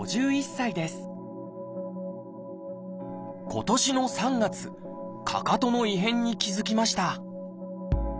今年の３月かかとの異変に気付きました。